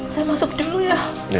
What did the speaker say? saya masuk dulu ya